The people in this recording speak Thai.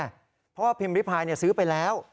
เพราะว่าพิมพ์ริพายซื้อไปแล้ว